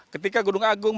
ketika gunung agung